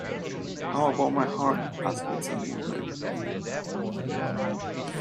How about my heart? asked the Tin Woodman.